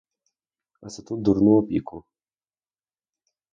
А за ту дурну опіку.